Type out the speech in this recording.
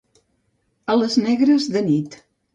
A les negres de nit.